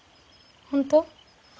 本当？